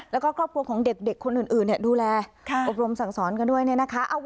แล้วก็ครอบครัวของเด็กคนอื่นดูแลอบรมสั่งสอนกันด้วยเนี่ยนะคะ